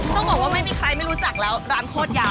ต้องบอกว่าไม่มีใครไม่รู้จักแล้วร้านโคตรยา